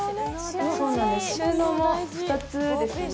収納も２つですね